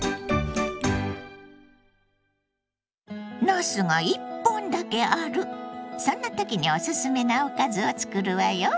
なすが１本だけあるそんな時にオススメなおかずを作るわよ。